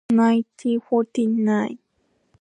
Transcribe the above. Nineteen forty nine